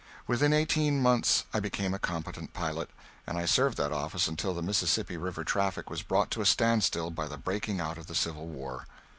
Within eighteen months I became a competent pilot, and I served that office until the Mississippi River traffic was brought to a standstill by the breaking out of the civil war.